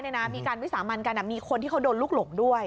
มีการวิสามันกันมีคนที่เขาโดนลูกหลงด้วย